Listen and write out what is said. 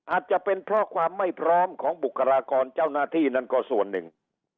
อาจจะเป็นเพราะความไม่พร้อมของบุคลากรเจ้าหน้าที่นั่นก็ส่วนหนึ่ง